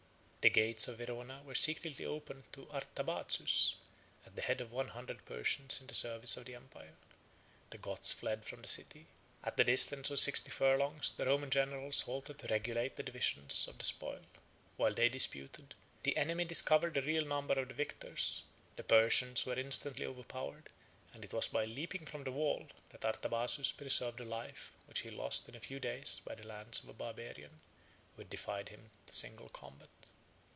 The gates of Verona were secretly opened to Artabazus, at the head of one hundred Persians in the service of the empire. The Goths fled from the city. At the distance of sixty furlongs the Roman generals halted to regulate the division of the spoil. While they disputed, the enemy discovered the real number of the victors: the Persians were instantly overpowered, and it was by leaping from the wall that Artabazus preserved a life which he lost in a few days by the lance of a Barbarian, who had defied him to single combat.